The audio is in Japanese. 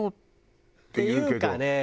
っていうかね